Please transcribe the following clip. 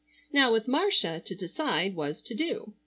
Now, with Marcia, to decide was to do.